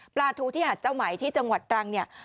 ทูที่หาดเจ้าไหมที่จังหวัดตรังเนี่ย